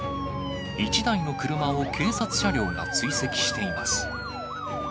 一台の車を警察車両が追跡しています。